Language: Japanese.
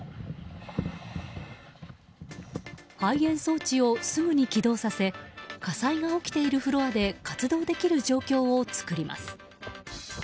排煙装置をすぐに起動させ火災が起きているフロアで活動できる状況を作ります。